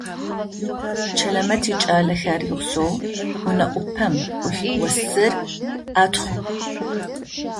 Чэлэмэт икӏалэхэр игъусэу, унэ ӏупэм ӏулъ осыр атхъу.